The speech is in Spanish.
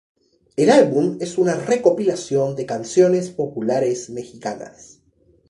El álbum es una recopilación de canciones populares mexicanas.